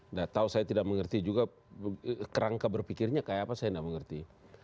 nggak tahu saya tidak mengerti juga kerangka berpikirnya kayak apa saya tidak mengerti